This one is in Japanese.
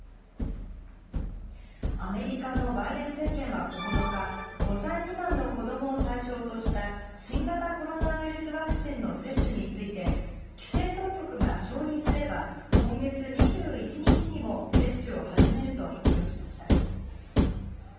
アメリカのバイデン政権は９日、５歳未満の子どもを対象とした新型コロナウイルスワクチンの接種について、規制当局が承認すれば、今月２１日にも接種を始めると発表しました。